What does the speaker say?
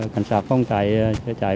cảnh sát phòng cháy